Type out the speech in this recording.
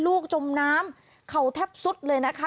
จมน้ำเขาแทบสุดเลยนะคะ